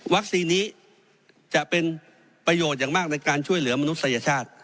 นี้จะเป็นประโยชน์อย่างมากในการช่วยเหลือมนุษยชาติ